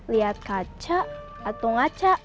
liat kaca atau ngaca